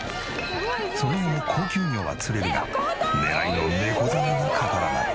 その後も高級魚は釣れるが狙いのネコザメが掛からない。